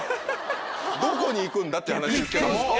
どこに行くんだ？っていう話ですけども。